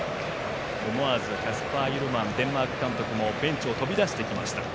思わずキャスパー・ユルマンデンマーク監督もベンチを飛び出してきました。